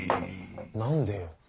何でよ。